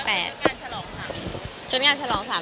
แล้วก็ชุดการชลองคะ